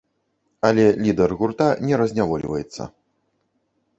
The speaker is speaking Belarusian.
Але лідар гурта не разнявольваецца.